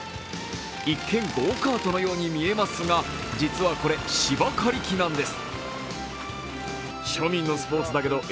一見ゴーカートのように見えますが、実はこれ、芝刈り機なんです。